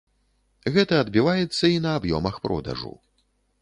Гэта адбіваецца і на аб'ёмах продажу.